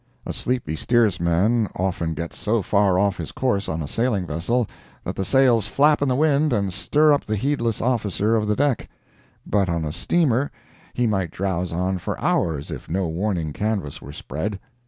A sleepy steersman often gets so far off his course on a sailing vessel that the sails flap in the wind and stir up the heedless officer of the deck—but on a steamer he might drowse on for hours if no warning canvas were spread.